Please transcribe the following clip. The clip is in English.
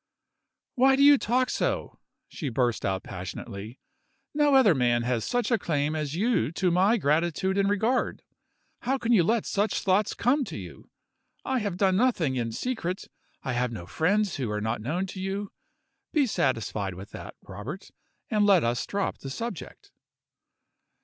"Why do you talk so?" she burst out passionately. "No other man has such a claim as you to my gratitude and regard. How can you let such thoughts come to you? I have done nothing in secret. I have no friends who are not known to you. Be satisfied with that, Robert and let us drop the subject."